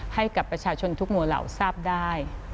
ให้กับประชาชนทุกหมู่เหล่าทราบได้